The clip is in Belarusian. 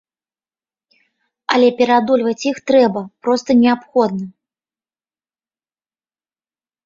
Але пераадольваць іх трэба, проста неабходна.